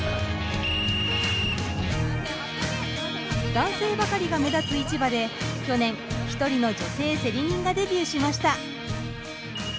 男性ばかりが目立つ市場で去年一人の女性競り人がデビューしました。